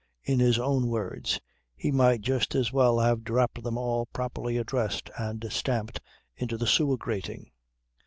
In his own words: he might just as well have dropped them all properly addressed and stamped into the sewer grating.